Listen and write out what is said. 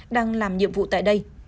đang làm nhiệm vụ tại đây